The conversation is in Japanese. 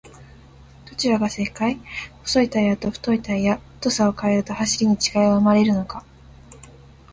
どちらが正解!?細いタイヤと太いタイヤ、太さを変えると走りに違いは生まれるのか？